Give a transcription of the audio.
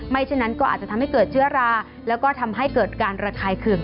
ฉะนั้นก็อาจจะทำให้เกิดเชื้อราแล้วก็ทำให้เกิดการระคายเคือง